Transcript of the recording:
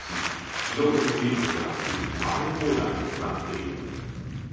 しかし、日の目を見ることなく荒れ放題となっている。